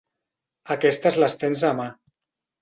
Aquestes les tens a mà.